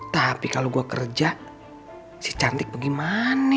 tapi kalo gua kerja si cantik ke gimana